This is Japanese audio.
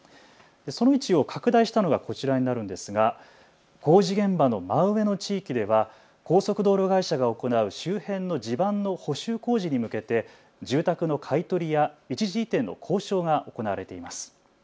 その位置を拡大したのがこちらになるんですが工事現場の真上の地域では高速道路会社が行う周辺の地盤の補修工事に向けて住宅の買い取りや一時移転の交渉が行われています。